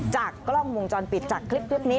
จากกล้องวงจรปิดจากคลิปนี้